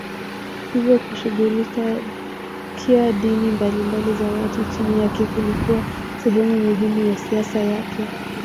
Hivyo kushughulikia dini mbalimbali za watu chini yake kulikuwa sehemu muhimu ya siasa yake.